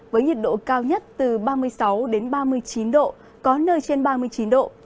với nhiệt độ cao nhất từ ba mươi sáu đến ba mươi chín độ có nơi trên ba mươi chín độ